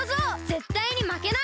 ぜったいにまけない！